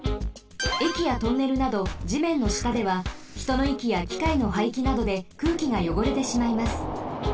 えきやトンネルなどじめんのしたではひとのいきやきかいのはいきなどで空気がよごれてしまいます。